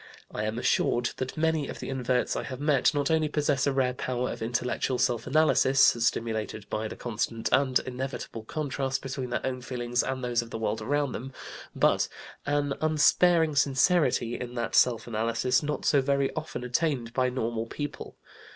I am assured that many of the inverts I have met not only possess a rare power of intellectual self analysis (stimulated by the constant and inevitable contrast between their own feelings and those of the world around them), but an unsparing sincerity in that self analysis not so very often attained by normal people.